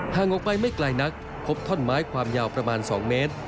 ห่างออกไปไม่ไกลนักพบท่อนไม้ความยาวประมาณ๒เมตร